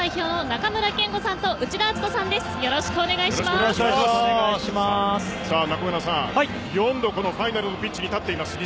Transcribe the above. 中村さん、４度ファイナルのピッチに立っています。